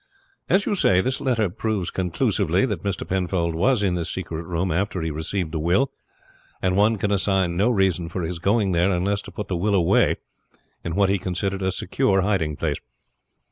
As you say, this letter proves conclusively that Mr. Penfold was in this secret room after he received the will, and one can assign no reason for his going there unless to put the will away in what he considered a secure hiding place.